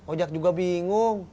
oh jack juga bingung